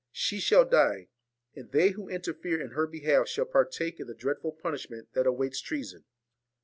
She shall die ; and they who interfere in her behalf shall partake in the dreadful punishment that awaits treason.'